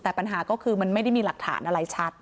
แต่ปัญหาก็คือมันไม่ได้มีหลักฐานอะไรชัด